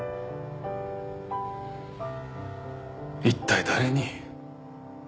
一体誰に？